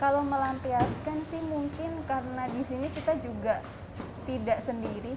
kalau melampiaskan sih mungkin karena di sini kita juga tidak sendiri